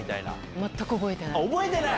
全く覚えてない。